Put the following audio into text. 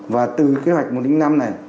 và từ kế hoạch một trăm linh năm này